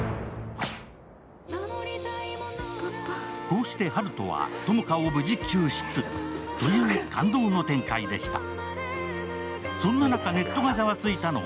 こうして温人は友果を無事救出！という感動の展開でした。